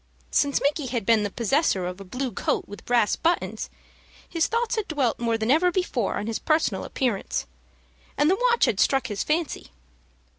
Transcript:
Since Micky had been the possessor of a blue coat with brass buttons, his thoughts had dwelt more than ever before on his personal appearance, and the watch had struck his fancy.